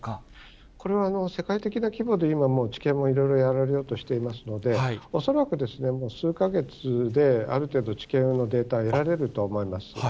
これは、世界的な規模で今、治験もいろいろやられようとしていますので、恐らく、もう数か月である程度治験のデータが得られると思います。